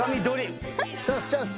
チャンスチャンス。